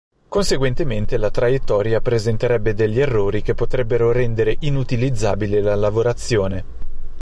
Conseguentemente la traiettoria presenterebbe degli errori che potrebbero rendere inutilizzabile la lavorazione.